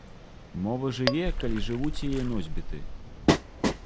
Мова жыве, калі жывуць яе носьбіты.